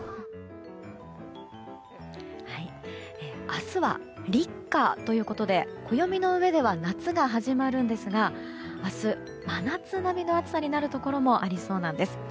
明日は立夏ということで暦の上では夏が始まるんですが明日、真夏並みの暑さになるところもありそうなんです。